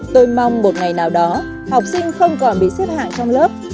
tôi mong một ngày nào đó học sinh không còn bị xếp hạng trong lớp